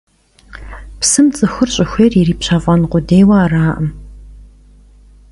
Psım ts'ıxur ş'ıxuêyr yiripşef'en khudêyue arakhım.